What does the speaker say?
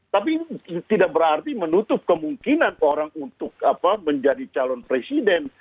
tapi tidak berarti menutup kemungkinan orang untuk menjadi calon presiden